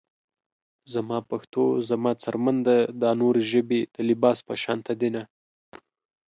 زما پښتو زما څرمن ده دا نورې ژبې د لباس پشانته دينه